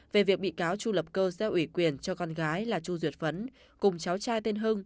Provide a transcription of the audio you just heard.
về việc bị cáo chu lập cơ giao ủy quyền cho con gái là chu duyệt phấn cùng cháu trai tên hưng